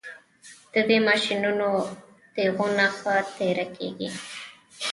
د دې ماشینونو تیغونه ښه تیره کیږي